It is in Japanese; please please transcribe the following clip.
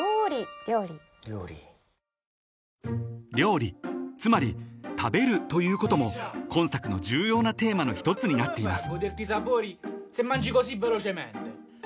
「料理」［料理つまり食べるということも今作の重要なテーマの一つになっています］